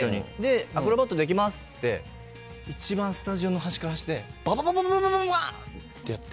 アクロバットできますって一番、スタジオの端から端でバババン！ってやって。